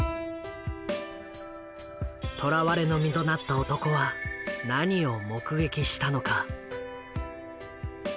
捕らわれの身となった男は何を目撃したのか？